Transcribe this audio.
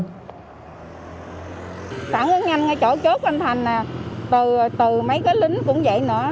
tổ phản ứng nhanh ở chỗ chốt anh thành từ mấy cái lính cũng vậy nữa